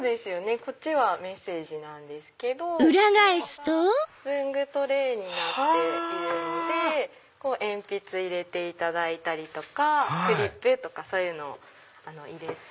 こっちはメッセージなんですけどこちらが文具トレイになっているので鉛筆入れていただいたりクリップとかそういうの入れて。